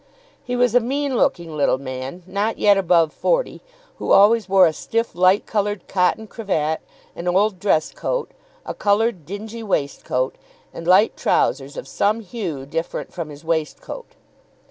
He was a mean looking little man, not yet above forty, who always wore a stiff light coloured cotton cravat, an old dress coat, a coloured dingy waistcoat, and light trousers of some hue different from his waistcoat.